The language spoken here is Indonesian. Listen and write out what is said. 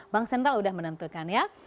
bank sentral sudah menentukan ya